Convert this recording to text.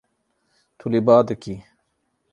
Tu li ba dikî.